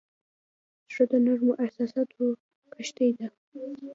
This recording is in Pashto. زړه د نرمو احساساتو کښتۍ ده.